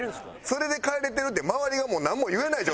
それで帰れてるって周りがもうなんも言えない状態になって。